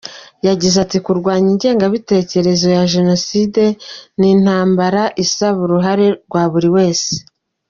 Yagize ati “Kurwanya ingengabitekerezo ya Jenoside, ni intambara isaba uruhare rwa buri wese.